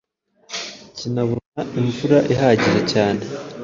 kinabona imvura ihagije cyane